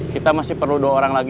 kita masih perlu dua orang lagi